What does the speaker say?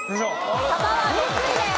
サバは６位です。